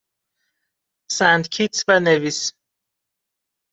سنت کیتس و نویس